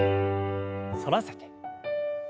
反らせて。